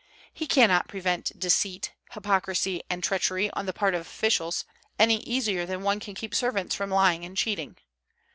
He cannot prevent deceit, hypocrisy, and treachery on the part of officials, any easier than one can keep servants from lying and cheating.